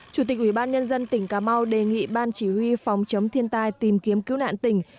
chủ tịch ủy ban nhân dân tỉnh cà mau đề nghị ban chỉ huy phòng chống thiên tai tìm kiếm cứu nạn tỉnh